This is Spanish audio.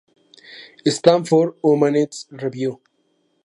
Stanford Humanities Review.